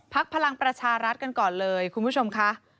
พลังประชารัฐกันก่อนเลยคุณผู้ชมค่ะ